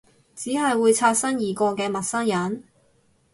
只係會擦身而過嘅陌生人？